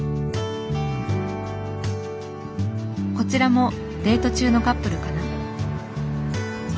こちらもデート中のカップルかな？